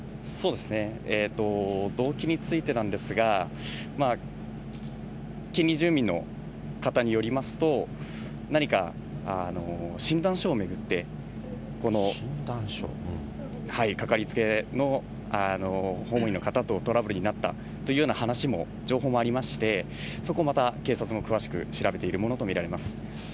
動機についてなんですが、近隣住民の方によりますと、何か診断書を巡って、かかりつけの訪問員の方とトラブルになったというような話も、情報もありまして、そこ、また警察も詳しく調べているものと見られます。